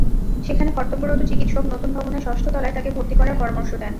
সেখানে কর্তব্যরত চিকিৎসক নতুন ভবনের ষষ্ঠ তলায় তাঁকে ভর্তি করার পরামর্শ দেন।